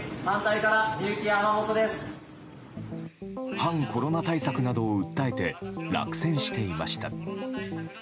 反コロナ対策などを訴えて落選していました。